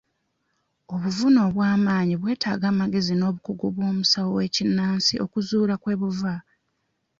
Obuvune obwa maanyi bwetaaga amagezi n'obukugu bw'omusawo w'ekinnansi okuzuula kwe buva.